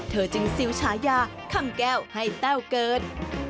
เธอจึงซิลฉายาคำแก้วให้แต้วเกิด